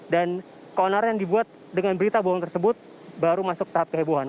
dan keonar yang dibuat dengan berita bohong tersebut baru masuk ke tahap kehebohan